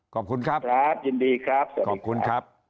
ขอบคุณครับครับยินดีครับขอบคุณครับ